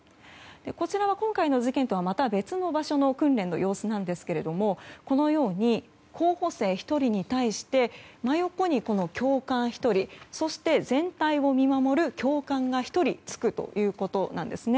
こちらは今回の事件とはまた別の場所の訓練の様子なんですけれどもこのように候補生１人に対して真横に教官１人そして、全体を見守る教官が１人つくということなんです。